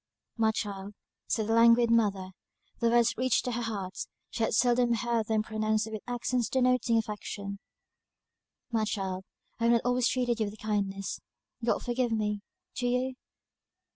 "My child," said the languid mother: the words reached her heart; she had seldom heard them pronounced with accents denoting affection; "My child, I have not always treated you with kindness God forgive me! do you?"